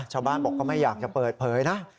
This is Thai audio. ชาวบ้านบอกก็ไม่อยากจะเปิดเผยนะ